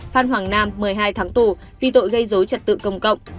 phan hoàng nam một mươi hai tháng tù vì tội gây dối trật tự công cộng